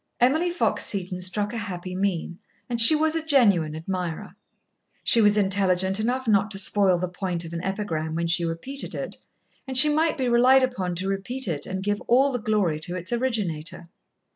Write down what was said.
Emily Fox Seton struck a happy mean, and she was a genuine admirer. She was intelligent enough not to spoil the point of an epigram when she repeated it, and she might be relied upon to repeat it and give all the glory to its originator.